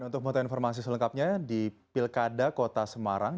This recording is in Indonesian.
dan untuk memotong informasi selengkapnya di pilkada kota semarang